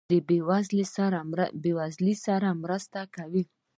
د بې وزلو سره مرسته کوئ؟